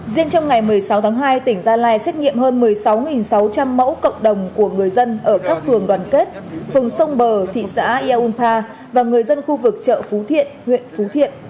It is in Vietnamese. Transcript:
riêng trong ngày một mươi sáu tháng hai tỉnh gia lai xét nghiệm hơn một mươi sáu sáu trăm linh mẫu cộng đồng của người dân ở các phường đoàn kết phường sông bờ thị xã yaunpa và người dân khu vực chợ phú thiện huyện phú thiện